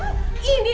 mama itu ada apa